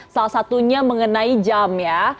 salah satunya mengenai jam ya